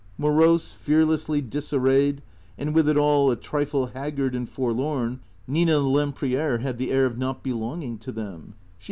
Morose, fearlessly disarrayed, and with it all a trifle haggard and forlorn, Nina Lempriere had the air of not belonging to them.